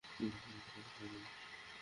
আপনাদের গাড়ি সরান।